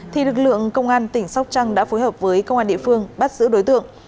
thì lực lượng công an tỉnh sóc trăng đã phối hợp với công an địa phương bắt giữ đối tượng